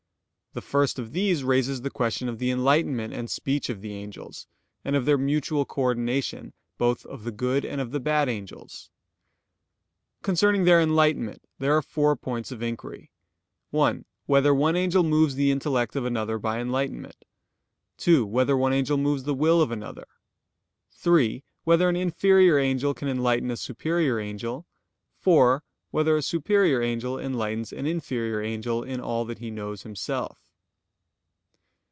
The first of these raises the question of the enlightenment and speech of the angels; and of their mutual coordination, both of the good and of the bad angels. Concerning their enlightenment there are four points of inquiry: (1) Whether one angel moves the intellect of another by enlightenment? (2) Whether one angel moves the will of another? (3) Whether an inferior angel can enlighten a superior angel? (4) Whether a superior angel enlightens an inferior angel in all that he knows himself?